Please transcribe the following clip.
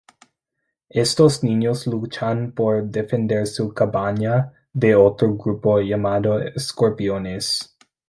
Estos niños luchan por defender su cabaña de otro grupo llamado "escorpiones".